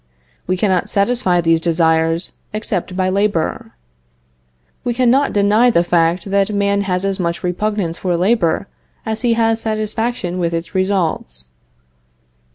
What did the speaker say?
We cannot satisfy these desires except by labor. We cannot deny the fact that man has as much repugnance for labor as he has satisfaction with its results.